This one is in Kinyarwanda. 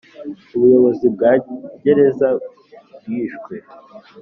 Ubuyobozi bwa gereza bwishwe